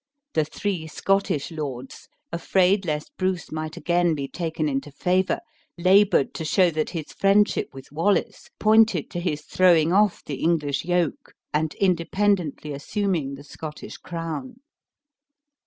The three Scottish lords, afraid lest Bruce might be again taken into favor, labored to show that his friendship with Wallace, pointed to his throwing off the English yoke, and independently assuming the Scottish crown.